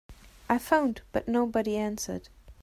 I phoned but nobody answered.